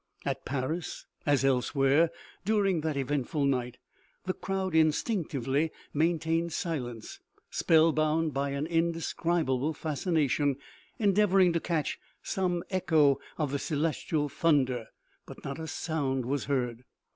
At Paris, as elsewhere, dur ing that eventful night, the crowd instinctively main tained silence, spellbound by an indescribable fascination, endeavoring to catch some echo of the celestial thunder but not a sound was heard.